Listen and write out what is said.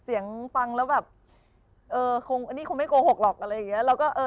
เสียงฟังแล้วแบบนี่คงไม่โกหกหรอกอะไรอย่างนี้